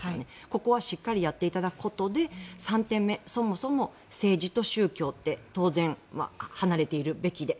ここはしっかりやっていただくことで３点目、そもそも政治と宗教って当然、離れているべきで。